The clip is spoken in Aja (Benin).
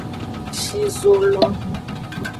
Shi zo lo.